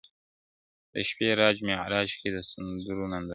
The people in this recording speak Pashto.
د شپې د راج معراج کي د سندرو ننداره ده,